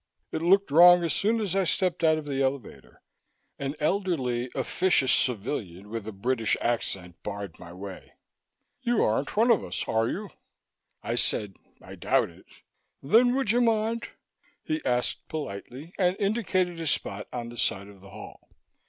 It looked wrong as soon as I stepped out of the elevator. An elderly, officious civilian with a British accent barred my way. "You aren't one of us, are you?" I said, "I doubt it." "Then would you mind?" he asked politely, and indicated a spot on the side of the hall.